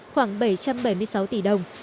khoảng bảy trăm bảy mươi sáu tỷ đồng